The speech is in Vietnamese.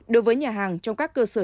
đối với nhà hàng trong các cơ sở